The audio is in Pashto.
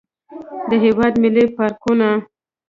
د هېواد ملي پارکونه.